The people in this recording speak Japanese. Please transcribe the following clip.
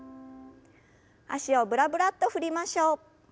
脚をブラブラッと振りましょう。